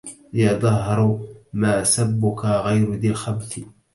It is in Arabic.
يا دهر ما سبك غير ذي الخبث